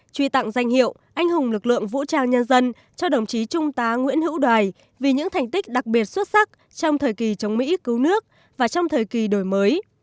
truy tặng danh hiệu anh hùng lực lượng vũ trang nhân dân cho đồng chí trung tá nguyễn hữu đoài vì những thành tích đặc biệt xuất sắc trong thời kỳ chống mỹ cứu nước và trong thời kỳ đổi mới